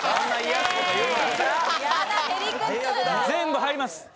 全部入ります。